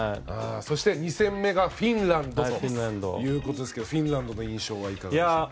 そして２戦目がフィンランドということですけれどもフィンランドの印象はいかがですか？